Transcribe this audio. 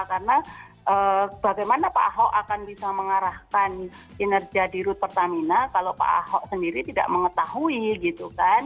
karena bagaimana pak ahok akan bisa mengarahkan kinerja di rut pertamina kalau pak ahok sendiri tidak mengetahui gitu kan